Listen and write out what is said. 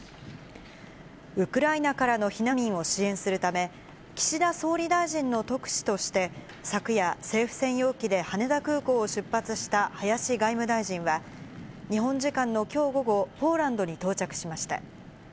ウクライナからの避難民を支援するため、岸田総理大臣の特使として、昨夜、政府専用機で羽田空港を出発した林外務大臣は、日本時間のきょう午後、ポーランドに到着しました。